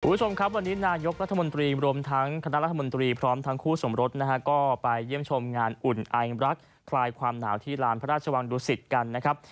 คุณผู้ชมครับวันนี้นายกรัฐมนตรีรวมทั้งคณะรัฐมนตรีพร้อมทั้งคู่สมรสนะฮะก็ไปเยี่ยมชมงานอุ่นไอรักคลายความหนาวที่ลานพระราชวังดุสิตกันนะครับ